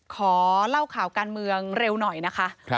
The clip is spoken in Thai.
ขอเล่าข่าวการเมืองเร็วหน่อยนะคะ